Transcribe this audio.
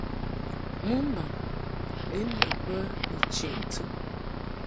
Mɨmbaŋ lin ma bə ni chiʼ ntɨm.